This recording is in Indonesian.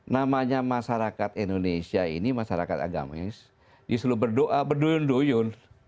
namanya masyarakat indonesia ini masyarakat agamis disuruh berdoa berduyun duyun